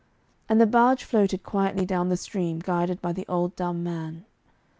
And the barge floated quietly down the stream, guided by the old dumb man.